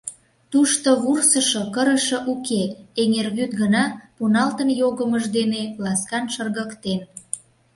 Тушто вурсышо, кырыше уке, эҥер вӱд гына пуналтын йогымыж дене ласкан шыргыктен.